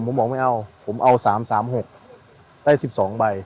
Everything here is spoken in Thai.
ผมบอกไม่เอาผมเอา๓๓๖ได้๑๒ใบ